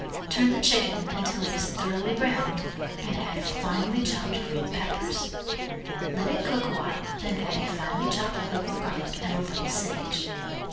Turn the chicken until it is thoroughly browned, and add finely chopped green peppers. Let it cook awhile then add a finely chopped clove of garlic and a little sage.